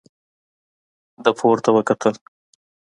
ده پورته وکتل.